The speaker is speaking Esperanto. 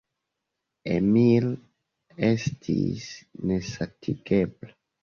Emil estis nesatigebla.